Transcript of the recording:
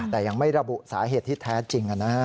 แต่ยังไม่ระบุสาเหตุที่แท้จริง